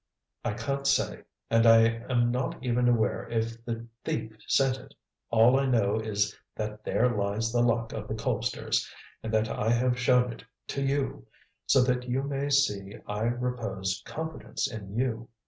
"I can't say, and I am not even aware if the thief sent it. All I know is that there lies the Luck of the Colpsters, and that I have shown it to you, so that you may see I repose confidence in you.